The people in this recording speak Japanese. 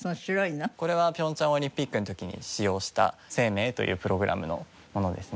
これは平昌オリンピックの時に使用した『ＳＥＩＭＥＩ』というプログラムのものですね。